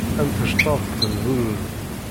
Am tecḍaḍt n bururu.